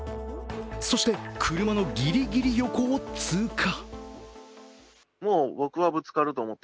そして、車のギリギリ横を通過。